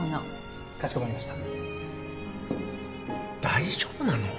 大丈夫なの？